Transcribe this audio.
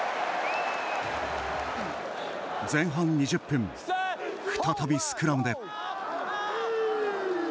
前半２０分、再びスクラムで。